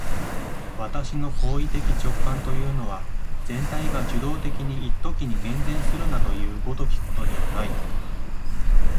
私の行為的直観というのは、全体が受働的に一時に現前するなどいう如きことではない。